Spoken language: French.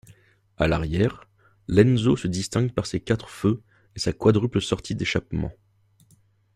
À l'arrière, l'Enzo se distingue par ses quatre feux et sa quadruple sortie d'échappement.